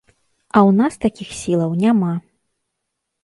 А ў нас такіх сілаў няма.